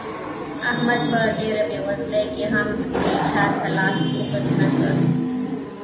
احمد په ډېره بېوزلۍ کې هم هيچا ته لاس اوږد نه کړ.